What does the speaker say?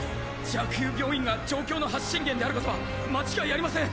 蛇腔病院が状況の発信源であることは間違いありません！